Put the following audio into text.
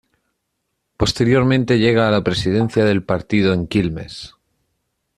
Posteriormente llega a la presidencia del partido en Quilmes.